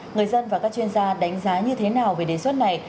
người dân và các chuyên gia đánh giá như thế nào về đề xuất này